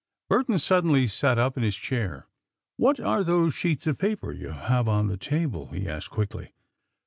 Burton suddenly sat up in his chair. "What are those sheets of paper you have on the table?" he asked quickly.